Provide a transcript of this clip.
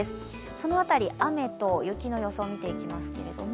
その辺り、雨と雪の予想を見ていきます。